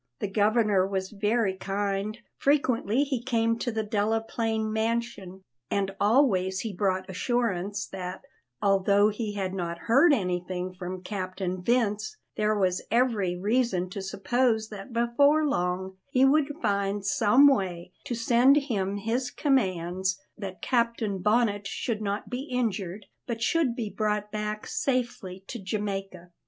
The Governor was very kind; frequently he came to the Delaplaine mansion, and always he brought assurances that, although he had not heard anything from Captain Vince, there was every reason to suppose that before long he would find some way to send him his commands that Captain Bonnet should not be injured, but should be brought back safely to Jamaica.